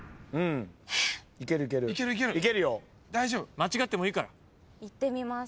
間違ってもいいから。いってみます。